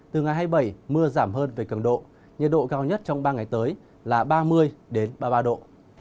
từ ngày hai mươi bảy mưa giảm hơn về cường độ nhiệt độ cao nhất trong ba ngày tới là ba mươi ba mươi ba độ